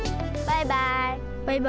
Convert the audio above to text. バイバイ。